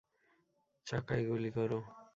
চাকায় গুলি কর!